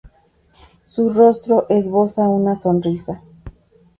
Su rostro esboza una sonrisa.